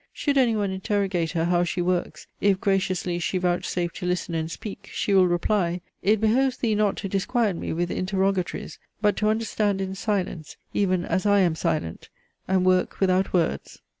"Should any one interrogate her, how she works, if graciously she vouchsafe to listen and speak, she will reply, it behoves thee not to disquiet me with interrogatories, but to understand in silence, even as I am silent, and work without words."